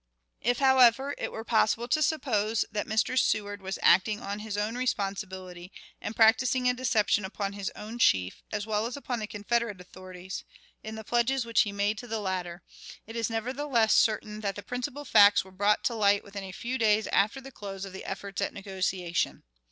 If, however, it were possible to suppose that Mr. Seward was acting on his own responsibility, and practicing a deception upon his own chief, as well as upon the Confederate authorities, in the pledges which he made to the latter, it is nevertheless certain that the principal facts were brought to light within a few days after the close of the efforts at negotiation.